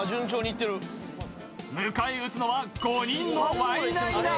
迎え撃つのは５人のワイナイナ。